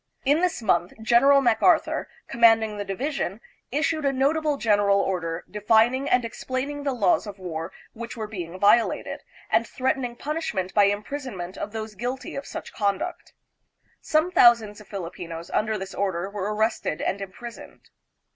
In this month General MacArthur, com manding the division, issued a notable general order, defining and explaining the laws of war which were being violated, and threatening punishment by impris onment of those guilty of such conduct. Some thousands of Filipinos under this order were arrested and impris oned.